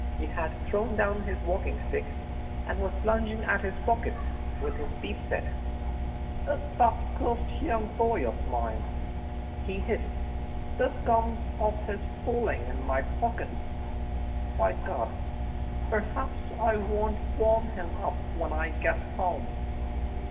He had thrown down his walking stick and was plunging at his pockets with his teeth set. "It's that cursed young boy of mine," he hissed; "this comes of his fooling in my pockets. By Gad! perhaps I won't warm him up when I get home.